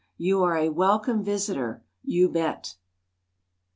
You are a welcome visitor—you bet.